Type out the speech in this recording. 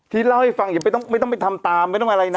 ทีต์เล่าให้ฟังไม่ต้องไปทำตามหรืออะไรนะ